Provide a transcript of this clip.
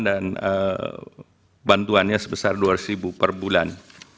dan bantuannya sebesar rp dua ratus ribu per bulan